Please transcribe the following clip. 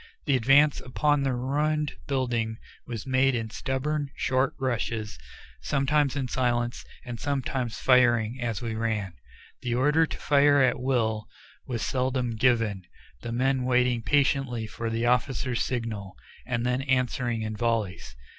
The advance upon the ruined building was made in stubborn, short rushes, sometimes in silence, and sometimes firing as we ran. The order to fire at will was seldom given, the men waiting patiently for the officers' signal, and then answering in volleys.